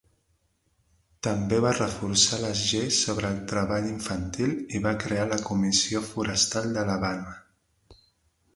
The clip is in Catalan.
També va reforçar les lleis sobre treball infantil i va crear la Comissió Forestal d'Alabama.